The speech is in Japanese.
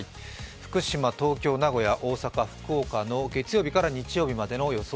福島、東京、名古屋、大阪、福岡の月曜日から日曜日までの予想